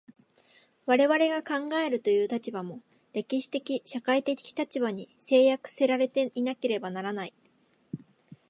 我々が考えるという立場も、歴史的社会的立場に制約せられていなければならない。